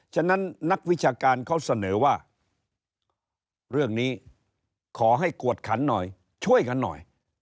ฉะนั้นนักวิชาการเขาเสนอว่าเรื่องนี้ขอให้กวดขันหน่อยช่วยกันหน่อย